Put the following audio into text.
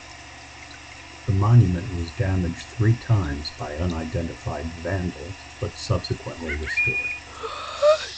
The monument was damaged three times by unidentified vandals, but subsequently restored.